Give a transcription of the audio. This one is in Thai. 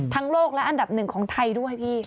โลกและอันดับหนึ่งของไทยด้วยพี่